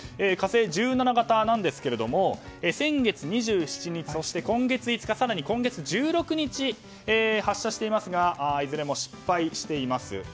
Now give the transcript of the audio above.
「火星１７」型ですが先月２７日そして今月５日更に今月１６日に発射していますがいずれも失敗しています。